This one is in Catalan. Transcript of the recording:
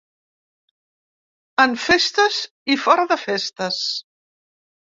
En festes i fora de festes.